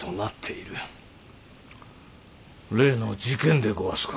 例の事件でごわすか。